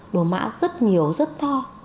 đồ mã rất nhiều rất to